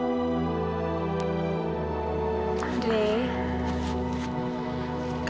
samseienya tak selesai